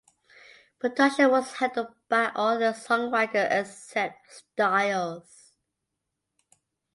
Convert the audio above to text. Production was handled by all the songwriters except Styles.